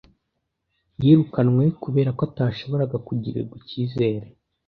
yirukanwe kubera ko atashoboraga kugirirwa ikizere.